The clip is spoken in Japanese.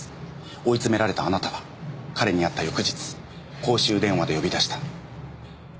追い詰められたあなたは彼に会った翌日公衆電話で呼び出した。